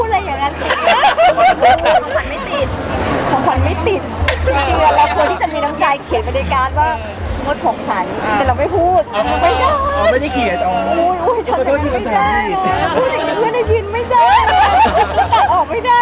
และคนที่จะมีดำใจเขียนมาในการว่า